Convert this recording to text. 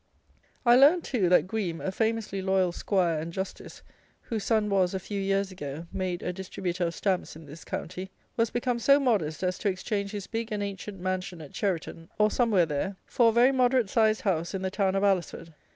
I learned, too, that Greame, a famously loyal 'squire and justice, whose son was, a few years ago, made a Distributor of Stamps in this county, was become so modest as to exchange his big and ancient mansion at Cheriton, or somewhere there, for a very moderate sized house in the town of Alresford!